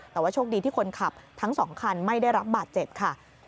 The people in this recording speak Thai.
แต่ว่าโชคดีที่คนขับทั้งสองคันไม่ได้รับบาดเจ็บค่ะ